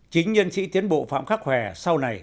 chính nhân sĩ tiến bộ phạm khắc hòe sau này